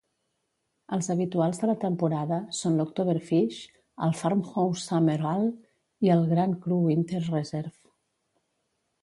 Els habituals de la temporada són l'Oktoberfish, el Farmhouse Summer Ale i el Grand Cru Winter Reserve.